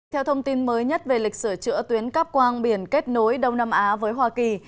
theo thông tin mới nhất về lịch sửa chữa tuyến cắp quang biển kết nối đông nam á với hoa kỳ